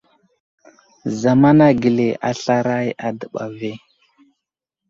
Zamana gəli aslaray a dəɓa ve.